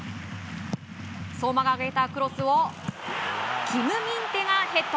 相馬が上げたクロスをキム・ミンテがヘッド。